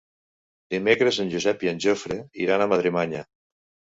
Dimecres en Josep i en Jofre iran a Madremanya.